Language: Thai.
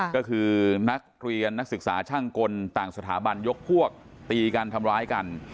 ก็คือนักเรียนนักศึกษาช่างกลต่างสถาบันยกพวกตีกันทำร้ายกัน